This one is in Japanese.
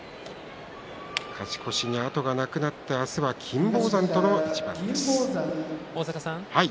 勝ち越しに後がなくなって明日は金峰山との一番です。